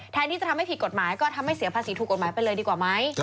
ที่จะทำให้ผิดกฎหมายก็ทำให้เสียภาษีถูกกฎหมายไปเลยดีกว่าไหม